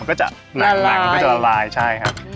หลังก็จะลายใช่ครับ